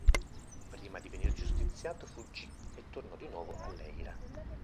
Prima di venir giustiziato fuggì e tornò di nuovo all'Eira.